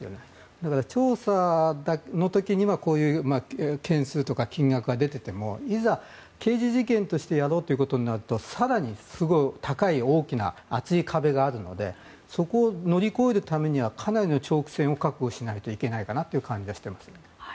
だから、調査の時には件数とか金額が出ていてもいざ刑事事件としてやろうとなると更に高い大きな厚い壁があるのでそこを乗り越えるためにはかなりの長期戦を覚悟しないといけないかなという感じがしていますね。